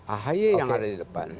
ahy yang ada di depan